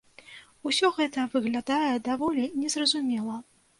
Усё гэта выглядае даволі не зразумела.